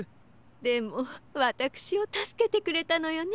でもわたくしをたすけてくれたのよね。